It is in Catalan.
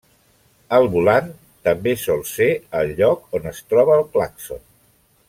El volant també sol ser el lloc on es troba el clàxon.